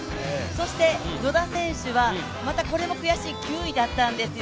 そして、野田選手は、またこれも悔しい９位だったんですよ。